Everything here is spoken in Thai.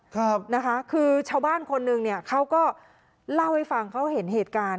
ครับนะคะคือชาวบ้านคนหนึ่งเนี่ยเขาก็เล่าให้ฟังเขาเห็นเหตุการณ์